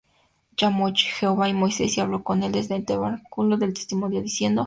Llamo Jehová á Moisés, y habló con él desde el tabernáculo del testimonio, diciendo: